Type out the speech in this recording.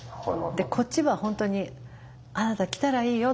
こっちは本当にあなた来たらいいよって。